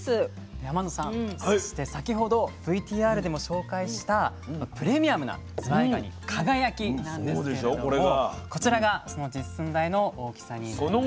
天野さんそして先ほどＶＴＲでも紹介したプレミアムなずわいがに「輝」なんですけれどもこちらがその実寸大の大きさになります。